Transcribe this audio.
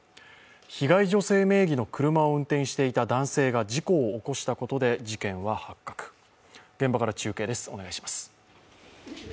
被害女性名義の車を運転していた男性が事故を起こしたことで事件は発覚、現場から中継です。